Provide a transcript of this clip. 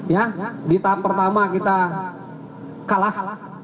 ya di tahap pertama kita kalah